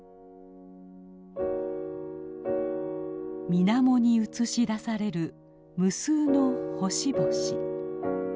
みなもに映し出される無数の星々。